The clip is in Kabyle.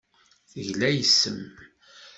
Tegla yes-m.